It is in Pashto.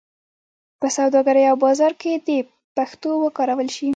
په سوداګرۍ او بازار کې دې پښتو وکارول شي.